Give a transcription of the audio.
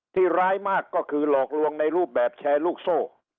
ร้ายมากก็คือหลอกลวงในรูปแบบแชร์ลูกโซ่